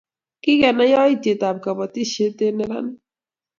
kikenai yoityekab kabotisiet eng' neranik.